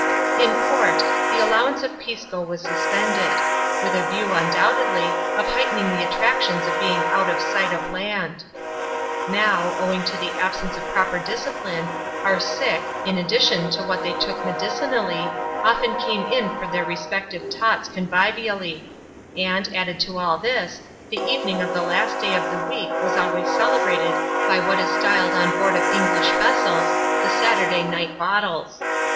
In port, the allowance of Pisco was suspended ; with a view, undoubtedly, of heightening the attractions of being out of flight of land. Now, owing to the absence of proper discipline, our sick, la addition to what they took med\c\naVLy> o^t^n came in for CBAP. XII.J DEATH OF TWO OF THE CREW. 49 their respectdye " tots*' convivially ; and, added to all this, the evening of the last day of the week was always celebrated by what is styled on board of English vessels, " The Saturday night bottles."